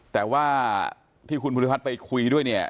แต่ว่าที่คุณพุทธิพัฒน์ไปคุยด้วย